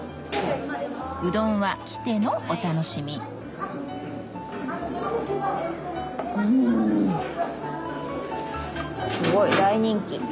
うどんは来てのお楽しみすごい大人気。